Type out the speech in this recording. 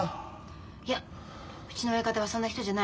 いやうちの親方はそんな人じゃない。